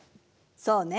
そうね。